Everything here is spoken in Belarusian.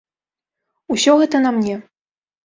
Усё гэта на мне.